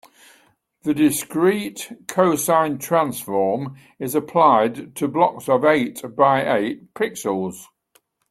The discrete cosine transform is applied to blocks of eight by eight pixels.